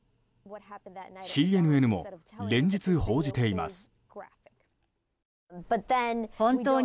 ＣＮＮも連日、報じています。